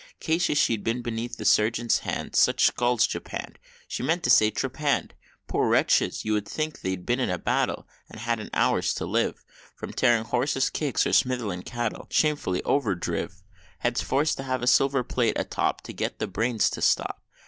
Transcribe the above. Cases she'd seen beneath the surgent's hand Such skulls japann'd she meant to say trepann'd! Poor wretches! you would think they'd been in battle, And hadn't hours to live, From tearing horses' kicks or Smithfield cattle, Shamefully over driv! Heads forced to have a silver plate atop, To get the brains to stop.